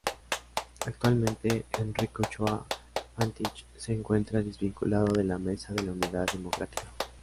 Actualmente Enrique Ochoa Antich se encuentra desvinculado de la Mesa de la Unidad Democrática.